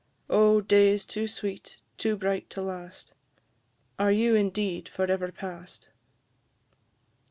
O! days too sweet, too bright to last, Are you, indeed, for ever past?